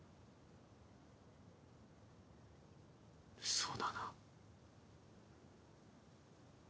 そうだな。